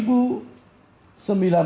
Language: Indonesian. dua tahun kemudian